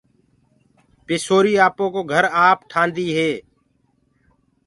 مڪڙيٚ آپو ڪو گھر آپ تيآر ڪرليندي هي۔